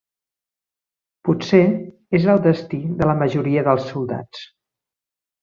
Potser és el destí de la majoria dels soldats